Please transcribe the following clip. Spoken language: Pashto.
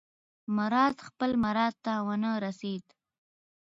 مراد خپل مراد ته ونه رسېد.